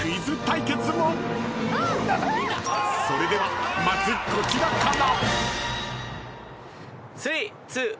［それではまずこちらから］